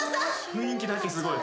雰囲気だけすごい。